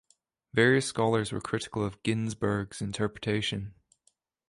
Various scholars were critical of Ginzburg's interpretation.